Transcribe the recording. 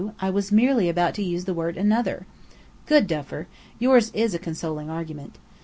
I was merely about to use the word 'another.'" "Good Duffer! Yours is a consoling argument.